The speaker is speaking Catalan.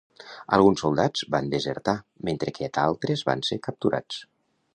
Alguns soldats van desertar mentre que d'altres van ser capturats.